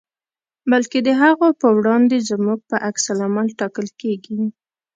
بلکې د هغو په وړاندې زموږ په عکس العمل ټاکل کېږي.